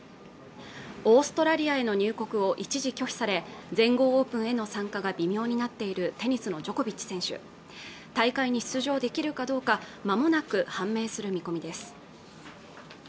オーストラリアへの入国を一時拒否され全豪オープンへの参加が微妙になっているテニスのジョコビッチ選手大会に出場できるかどうかまもなく判明する見込みです